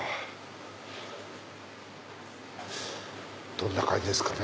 どんな感じですかね。